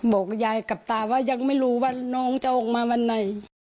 บอกยายกับตาว่ายังไม่รู้ว่าน้องจะออกมาวันไหน